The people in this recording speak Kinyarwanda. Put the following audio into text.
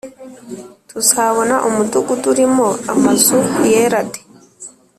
Tuzabona umudugudu urimo amazu yera de